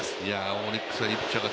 オリックスはいいピッチャーが